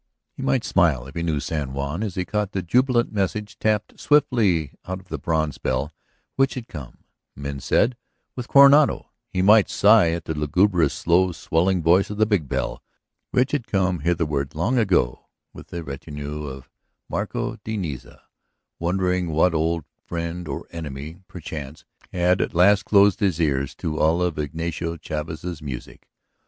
He might smile, if he knew San Juan, as he caught the jubilant message tapped swiftly out of the bronze bell which had come, men said, with Coronado; he might sigh at the lugubrious, slow swelling voice of the big bell which had come hitherward long ago with the retinue of Marco de Niza, wondering what old friend or enemy, perchance, had at last closed his ears to all of Ignacio Chavez's music.